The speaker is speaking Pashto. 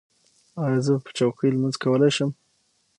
ایا زه په چوکۍ لمونځ کولی شم؟